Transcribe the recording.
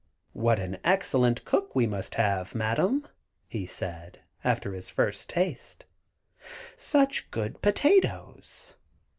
"What an excellent cook you must have, Madam," he said, after his first taste. "Such good potatoes!"